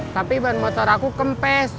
tapi buat motor aku kempes